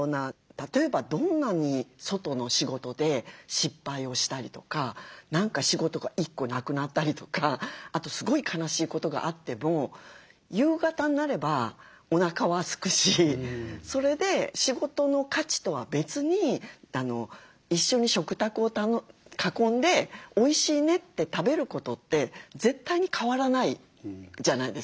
例えばどんなに外の仕事で失敗をしたりとか何か仕事が１個なくなったりとかあとすごい悲しいことがあっても夕方になればおなかはすくしそれで仕事の価値とは別に一緒に食卓を囲んで「おいしいね」って食べることって絶対に変わらないじゃないですか。